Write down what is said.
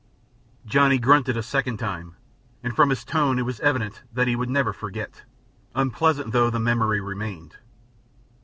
Johnny grunted a second time, and from his tone it was evident that he would never forget, unpleasant though the memory remained.